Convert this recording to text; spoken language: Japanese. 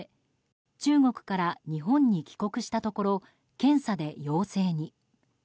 中国から日本に帰国したところ検査で陽性に。